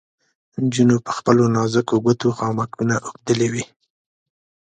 نجونو په خپلو نازکو ګوتو خامکونه اوبدلې وې.